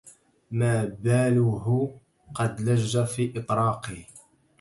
ما باله قد لج في إطراقه